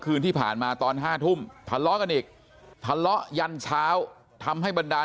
คืนที่ผ่านมาตอน๕ทุ่มทะเลาะกันอีกทะเลาะยันเช้าทำให้บรรดาล